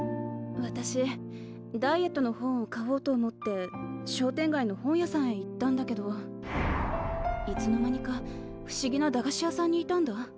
私ダイエットの本を買おうと思って商店街の本屋さんへ行ったんだけどいつの間にかふしぎな駄菓子屋さんにいたんだ。